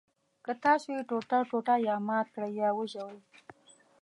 که تاسو یې ټوټه ټوټه یا مات کړئ یا وژوئ.